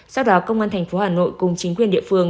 sau đó công an thành phố hà nội cùng chính quyền địa phương